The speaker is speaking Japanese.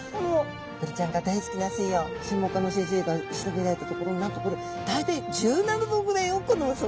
ブリちゃんが大好きな水温専門家の先生が調べられたところなんとこれ大体１７℃ぐらいを好むそうなんです。